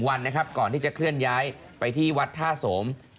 วันนะครับก่อนที่จะเคลื่อนย้ายไปที่วัดท่าโสม